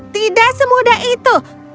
tidak semudah itu